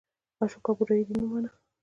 اشوکا بودایی دین ومانه.